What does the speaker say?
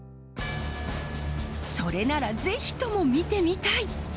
それなら是非とも見てみたい。